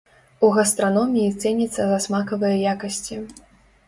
У гастраноміі цэніцца за смакавыя якасці.